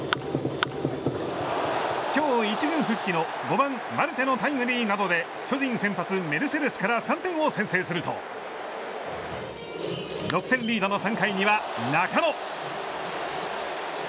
今日１軍復帰の５番、マルテのタイムリーなどで巨人、先発メルセデスから３点を先制すると６点リードの３回には中野。